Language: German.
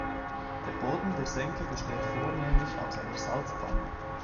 Der Boden der Senke besteht vornehmlich aus einer Salzpfanne.